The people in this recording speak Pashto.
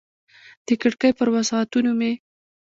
د کړکۍ پر وسعتونو مې